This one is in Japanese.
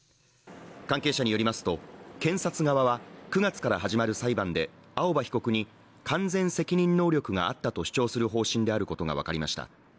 関係者によりますと、検察側は９月から始まる裁判で、青葉被告に、完全責任能力があったと主張する方針であることが分かりました。